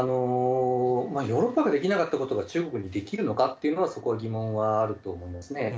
ヨーロッパができなかったことが中国にできるのかっていうのはそこは疑問はあると思いますね。